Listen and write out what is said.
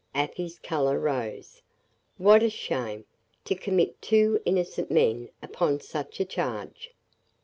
Afy's color rose. "What a shame! To commit two innocent men upon such a charge."